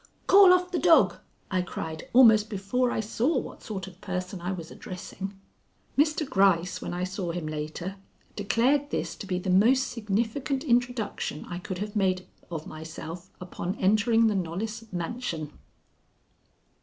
"Call off the dog!" I cried almost before I saw what sort of person I was addressing. Mr. Gryce, when I saw him later, declared this to be the most significant introduction I could have made of myself upon entering the Knollys mansion.